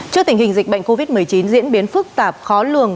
trước tình hình dịch bệnh covid một mươi chín diễn biến phức tạp khó lường